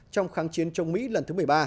trong kháng chiến chống mỹ lần thứ một mươi ba